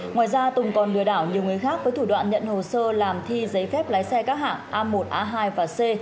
ngoài ra tùng còn lừa đảo nhiều người khác với thủ đoạn nhận hồ sơ làm thi giấy phép lái xe các hạng a một a hai và c